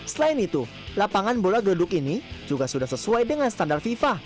selain itu lapangan bola geduk ini juga sudah sesuai dengan standar fifa